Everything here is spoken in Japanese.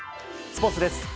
スポーツです。